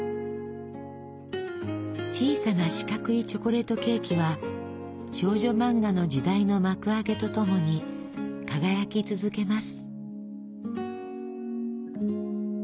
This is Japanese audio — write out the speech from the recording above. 小さな四角いチョコレートケーキは少女漫画の時代の幕開けとともに輝き続けます。